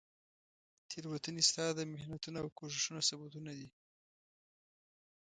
تیروتنې ستا د محنتونو او کوښښونو ثبوتونه دي.